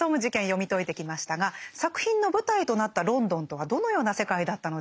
読み解いてきましたが作品の舞台となったロンドンとはどのような世界だったのでしょうか。